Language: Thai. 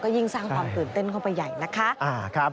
ยิ่งสร้างความตื่นเต้นเข้าไปใหญ่นะคะ